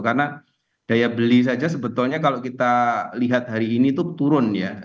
karena daya beli saja sebetulnya kalau kita lihat hari ini itu turun ya